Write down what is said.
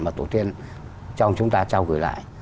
mà tổ tiên trong chúng ta trao gửi lại